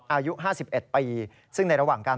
อายุ๕๑ปีซึ่งในระหว่างการ